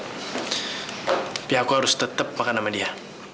tapi aku harus tetap makan sama dia